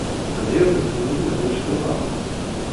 Тады яго замянілі на больш трывалы.